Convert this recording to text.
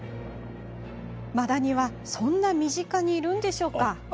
マダニはそんな身近にいるんでしょうか。